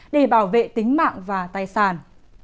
để bảo vệ tính mạng và tài sản